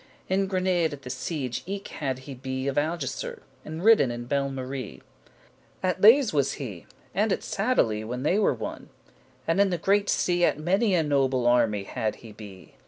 In Grenade at the siege eke had he be Of Algesir, and ridden in Belmarie. <8> At Leyes was he, and at Satalie, When they were won; and in the Greate Sea At many a noble army had he be.